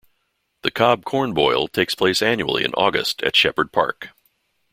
The Cobb Corn Boil takes place annually in August at Shepherd Park.